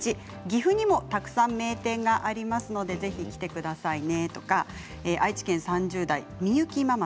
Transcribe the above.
岐阜にもたくさん名店がありますのでぜひ来てくださいね」とか愛知県３０代。